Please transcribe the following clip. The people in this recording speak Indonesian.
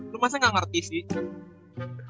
lu masa gak ngerti sih